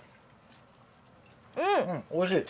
うんおいしい。